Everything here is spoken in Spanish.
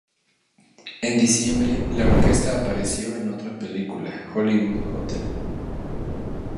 En diciembre, la orquesta apareció en otra película, "Hollywood Hotel".